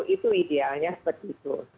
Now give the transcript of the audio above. itu idealnya seperti itu